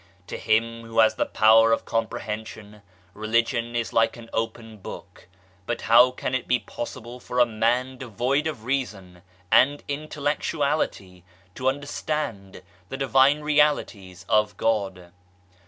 To him who has the power of comprehension Religion is like an open book, but how can it be possible for a man devoid of reason and intellectuality to under stand the Divine Realities of God